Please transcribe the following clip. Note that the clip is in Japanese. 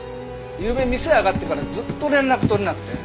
ゆうべ店上がってからずっと連絡取れなくて。